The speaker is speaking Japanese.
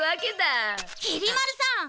きり丸さん！